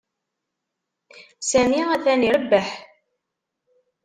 Sami atan irebbeḥ.